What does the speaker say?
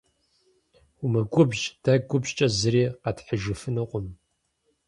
Умыгубжь, дэ губжькӏэ зыри къэтхьыжыфынукъым.